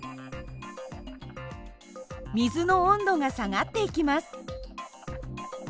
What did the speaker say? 水の温度が下がっていきます。